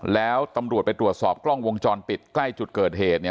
แล้วตำรวจไปตรวจสอบกล้องวงจรปิดใกล้จุดเกิดเหตุเนี่ย